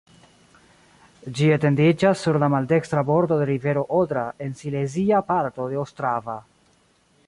Ĝi etendiĝas sur la maldekstra bordo de rivero Odra en silezia parto de Ostrava.